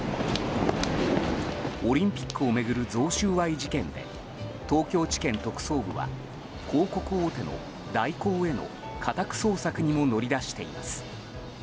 オリンピックを巡る贈収賄事件で東京地検特捜部は広告大手の大広への家宅捜索にも乗り出しています。